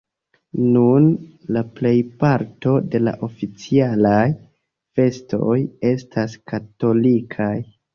Nun la plejparto de la oficialaj festoj estas katolikaj.